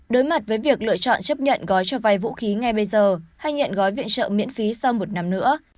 đối mặt với việc lựa chọn chấp nhận gói cho vay vũ khí ngay bây giờ hay nhận gói viện trợ miễn phí sau một năm nữa